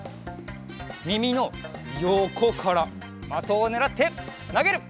みみのよこからまとをねらってなげる！